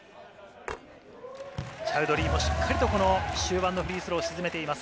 チャウドリーもしっかりと終盤のフリースローを沈めています。